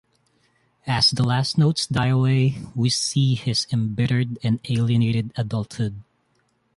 As the last notes die away, we see his embittered and alienated adulthood.